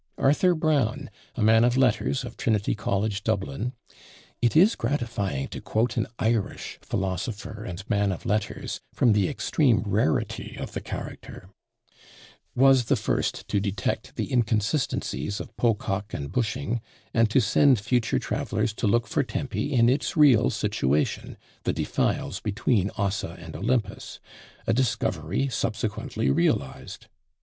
Arthur Browne, a man of letters of Trinity College, Dublin it is gratifying to quote an Irish philosopher and man of letters, from the extreme rarity of the character was the first to detect the inconsistencies of Pococke and Busching, and to send future travellers to look for Tempe in its real situation, the defiles between Ossa and Olympus; a discovery subsequently realised.